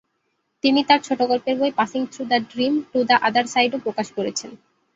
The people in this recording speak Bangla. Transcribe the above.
তিনি তার ছোট গল্পের বই "passing through the dream to the other সাইড"ও প্রকাশ করেছেন।